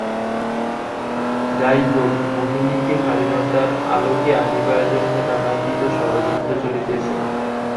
যাহা হউক, মোহিনীকে স্বাধীনতার আলোকে আনিবার জন্য নানাবিধ ষড়যন্ত্র চলিতেছে।